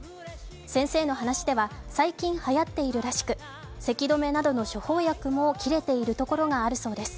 先生の話では最近はやっているらしく、せき止めなどの処方薬も切れているところがあるそうです。